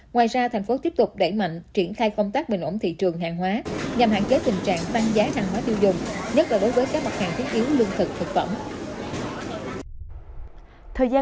ngoài ra thành phố tiếp tục đẩy mạnh triển khai công tác bình ổn thị trường hàng hóa nhằm hạn chế tình trạng tăng giá hàng hóa tiêu dùng nhất là đối với các mặt hàng thiết yếu lương thực thực phẩm